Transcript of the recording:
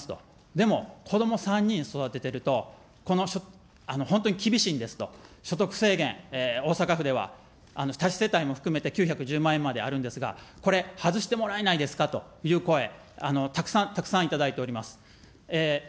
でも、子ども３人育ててると、本当に厳しいんですと、所得制限、大阪府では、多子世帯も含めて９１０万円まであるんですが、これ、外してもらえないですかという声、たくさんたくさん頂いております。